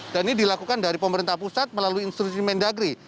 dan ini dilakukan dari pemerintah pusat melalui instruksi mendagri